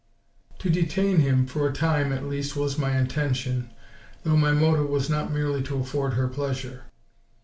To detain him, for a time at least, was my intention, though my motive was not merely to afford her pleasure.